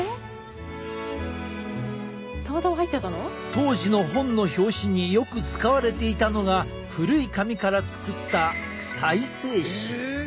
当時の本の表紙によく使われていたのが古い紙から作った再生紙。